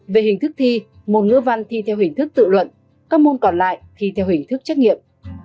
về hình thức thi môn ngữ văn thi theo hình thức tự luận các môn còn lại thi theo hình thức trách nhiệm